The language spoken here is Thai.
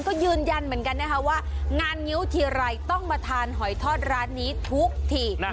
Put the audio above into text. ก็ยืนยันเหมือนกันนะคะว่างานงิ้วทีไรต้องมาทานหอยทอดร้านนี้ทุกที